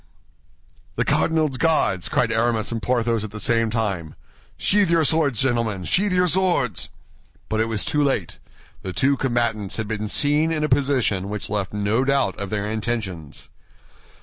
"The cardinal's Guards!" cried Aramis and Porthos at the same time. "Sheathe your swords, gentlemen, sheathe your swords!" But it was too late. The two combatants had been seen in a position which left no doubt of their intentions.